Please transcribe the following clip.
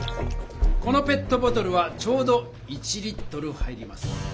このペットボトルはちょうど１入ります。